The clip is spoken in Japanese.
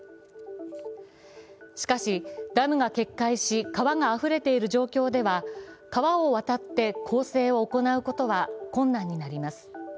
しかし、ダムが決壊し、川があふれている状況では川を渡って攻勢を行うことは困難になります。